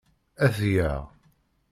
Ad t-geɣ.